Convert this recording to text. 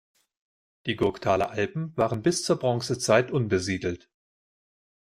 Die Gurktaler Alpen waren bis zur Bronzezeit unbesiedelt.